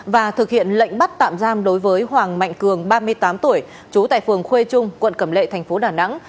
và thực hiện lệnh bắt tạm giam đối với hoàng mạnh cường ba mươi tám tuổi chú tại phường khuê trung quận cẩm lệ tp đà nẵng